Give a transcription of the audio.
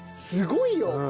すごいよ！